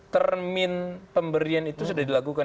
termin pemberian itu sudah dilakukan